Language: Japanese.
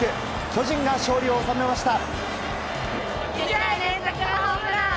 巨人が勝利を収めました。